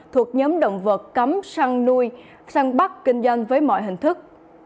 thuộc nhóm động vật cấm săn nuôi săn bắt kinh doanh với mọi hình thức